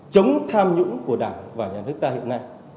chống tham nhũng của đảng và nhà nước ta hiện nay